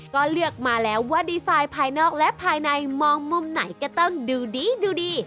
ก็เลือกมาแล้วว่าดีไซน์ภายนอกและภายในมองมุมไหนก็ต้องดูดีดูดี